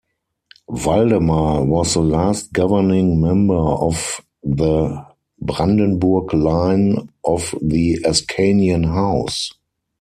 Waldemar was the last governing member of the Brandenburg line of the Ascanian House.